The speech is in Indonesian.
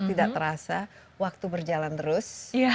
tidak terasa waktu berjalan terus